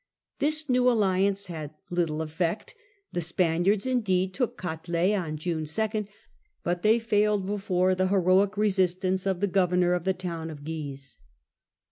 This new alliance had little effect. The Spaniards indeed took Catelet on June 2 ; but they failed before the heroic resistance of the governor of the town of Guise.